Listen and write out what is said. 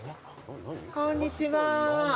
こんにちは。